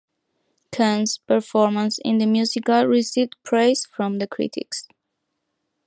Kuhn's performance in the musical received praise from the critics.